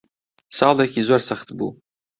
ساڵێکی زۆر سەخت بوو.